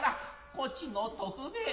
こちの徳兵衛